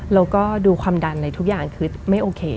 แล้วก็ดูความดันอะไรทุกอย่างคือไม่โอเค